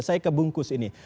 saya kebungkus ini